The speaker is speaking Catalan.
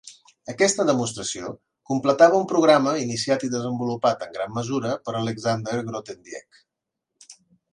Aquesta demostració completava un programa iniciat i desenvolupat en gran mesura per Alexander Grothendieck.